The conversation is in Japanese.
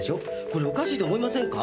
これおかしいと思いませんか？